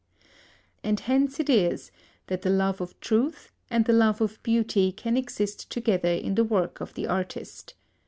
And hence it is that the love of truth and the love of beauty can exist together in the work of the artist.